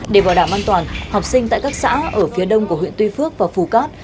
để bảo đảm an toàn học sinh tại các xã ở phía đông của huyện tuy phước và phú cát